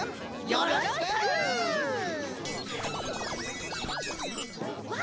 よろしく！わ。